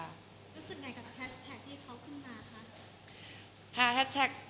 รู้สึกไงกับแฮชแท็กที่เขาขึ้นมาคะ